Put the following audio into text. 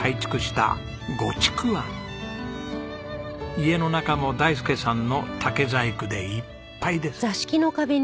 家の中も大介さんの竹細工でいっぱいです。